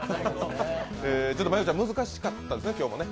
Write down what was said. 真悠ちゃん、難しかったですね、今日ね。